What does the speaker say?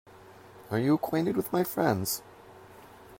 Are you acquainted with my friends?